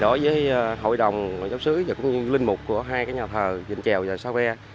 đối với hội đồng giáo sứ và linh mục của hai nhà thờ vinh trèo và sao ve